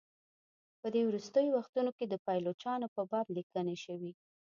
په دې وروستیو وختونو کې د پایلوچانو په باب لیکني شوي.